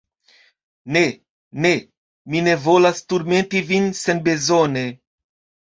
ne, ne, mi ne volas turmenti vin senbezone.